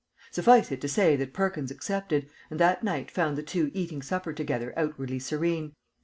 Suffice it to say that Perkins accepted, and that night found the two eating supper together outwardly serene.